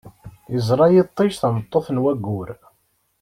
Yeẓra yiṭij tameṭṭut n waggur.